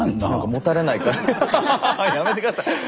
もたれないくらい。